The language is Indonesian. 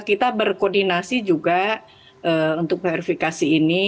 kita berkoordinasi juga untuk verifikasi ini